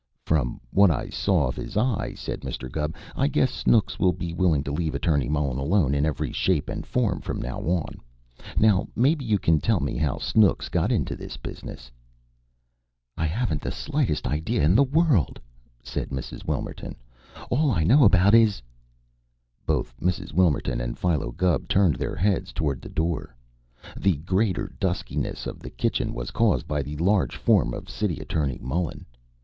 "From what I saw of his eye," said Mr. Gubb, "I guess Snooks will be willing to leave Attorney Mullen alone in every shape and form from now on. Now, maybe you can tell me how Snooks got into this business." "I haven't the slightest idea in the world!" said Mrs. Wilmerton. "All I know about it is " Both Mrs. Wilmerton and Philo Gubb turned their heads toward the door. The greater duskiness of the kitchen was caused by the large form of City Attorney Mullen.